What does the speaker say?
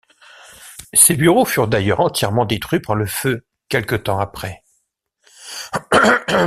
Ses bureaux furent d'ailleurs entièrement détruits par le feu quelque temps après.